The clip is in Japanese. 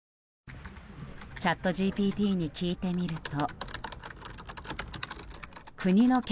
チャットＧＰＴに聞いてみると。